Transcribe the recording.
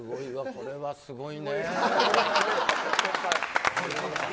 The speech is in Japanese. これはすごい。